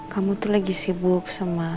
kamu tuh lagi sibuk sama